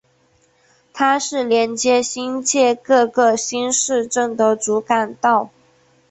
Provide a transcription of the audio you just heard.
它是连接新界各个新市镇的主干道。